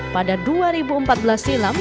pada dua ribu empat belas silam